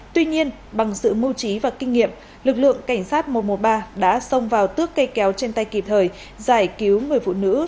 tuy nhiên bằng sự mưu trí và kinh nghiệm lực lượng cảnh sát mô mô ba đã xông vào tước cây kéo trên tay kịp thời giải cứu người phụ nữ